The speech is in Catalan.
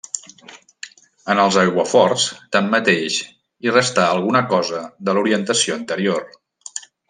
En els aiguaforts, tanmateix, hi restà alguna cosa de l'orientació anterior.